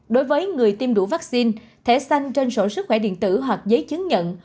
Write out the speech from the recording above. đối với người tiêm đủ vaccine thẻ xanh trên sổ sức khỏe điện tử hoặc giấy chứng nhận